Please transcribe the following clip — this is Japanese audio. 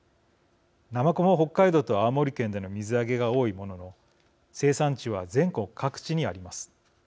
なまこも北海道と青森県での水揚げが多いものの生産地は全国各地にあります。